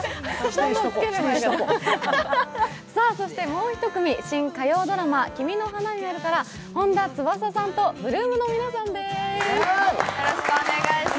もう１組、新火曜ドラマ「君の花になる」から本田翼さんと８ＬＯＯＭの皆さんです。